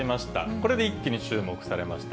これで一気に注目されました。